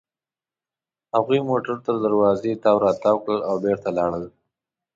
هغوی موټر تر دروازې تاو راتاو کړل او بېرته لاړل.